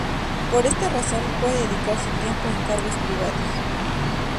Por esta razón, puede dedicar su tiempo a encargos privados.